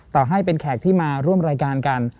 ต่อให้เป็นแขกที่มาร่วมรายการกัน